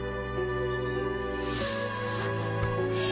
よし。